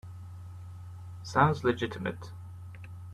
Sounds legitimate.